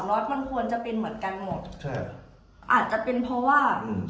รถมันควรจะเป็นเหมือนกันหมดใช่อาจจะเป็นเพราะว่าอืม